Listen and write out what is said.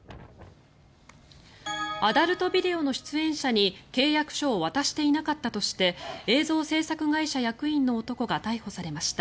アダルトビデオの出演者に契約書を渡していなかったとして映像制作会社役員の男が逮捕されました。